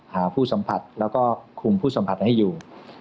ผู้สัมผัสแล้วก็คุมผู้สัมผัสให้อยู่